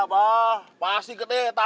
kita ngeliat anjing pasti gede ma